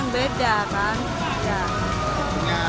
yang dipadu dengan kacang panjang